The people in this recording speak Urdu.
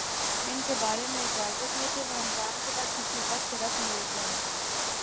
ان کے بارے میں اجازت ہے کہ وہ رمضان کے بعد کسی وقت رکھ لیے جائیں